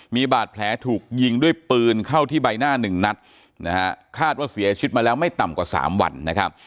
มีบาดแผลถูกยิงด้วยปืนเข้าที่ใบหน้าหนึ่งนัดนะฮะคาดว่าเสียชีวิตมาแล้วไม่ต่ำกว่าสามวันนะครับ